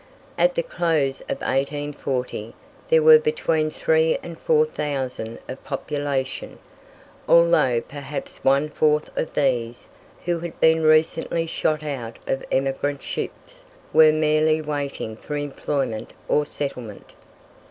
At the close of 1840 there were between three and four thousand of population, although perhaps one fourth of these, who had been recently shot out of emigrant ships, were merely waiting for employment or settlement.